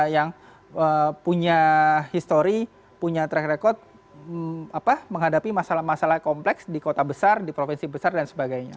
yang punya histori punya track record menghadapi masalah masalah kompleks di kota besar di provinsi besar dan sebagainya